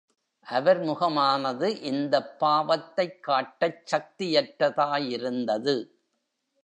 அவர் முகமானது இந்த பாவத்தைக் காட்டச் சக்தியற்றதாயிருந்தது.